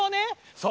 そう。